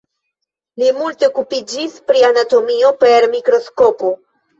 Li multe okupiĝis pri anatomio per mikroskopo.